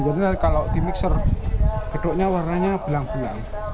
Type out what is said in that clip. jadilah kalau di mixer getuknya warnanya belang belang